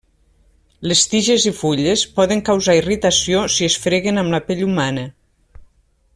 Les tiges i fulles poden causar irritació si es freguen amb la pell humana.